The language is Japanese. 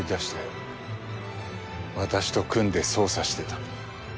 「私と組んで捜査してた。